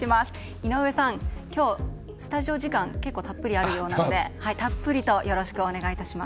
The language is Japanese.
井上さん、今日スタジオ時間結構たっぷりあるのでたっぷりとよろしくお願いいたします。